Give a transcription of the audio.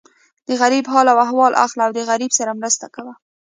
د غریب حال احوال اخله او د غریب سره مرسته کوه.